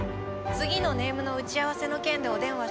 次のネームの打ち合わせの件でお電話。